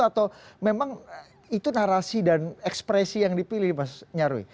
atau memang itu narasi dan ekspresi yang dipilih mas nyarwi